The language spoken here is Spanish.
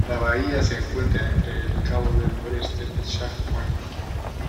La bahía se encuentra entre el Cabo del Noroeste y Shark Point.